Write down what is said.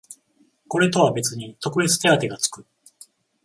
これとは別に特別手当てがつく